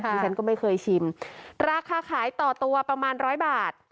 ที่ฉันก็ไม่เคยชิมราคาขายต่อตัวประมาณร้อยบาท